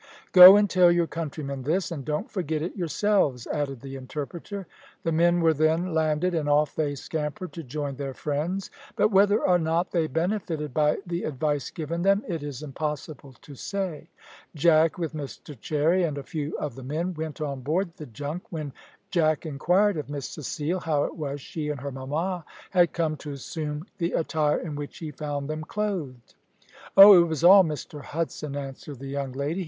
"Go and tell your countrymen this, and don't forget it yourselves," added the interpreter. The men were then landed, and off they scampered to join their friends; but whether or not they benefited by the advice given them, it is impossible to say. Jack, with Mr Cherry and a few of the men, went on board the junk, when Jack inquired of Miss Cecile how it was she and her mamma had come to assume the attire in which he found them clothed. "Oh, it was all Mr Hudson," answered the young lady.